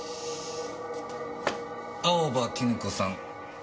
青葉絹子さん。